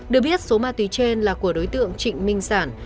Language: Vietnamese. được biết số ma túy trên là của đối tượng trịnh minh sản